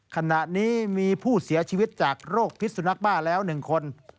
ขณะนี้มีผู้เสียชีวิตจากโรคพิษสุนักบ้าแล้ว๑คน